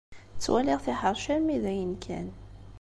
Ttwaliɣ-t yeḥṛec armi d ayen kan.